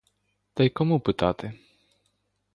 Та й кому питати?